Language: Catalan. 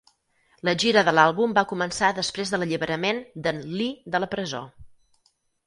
La gira de l'àlbum va començar després de l'alliberament d'en Lee de la presó.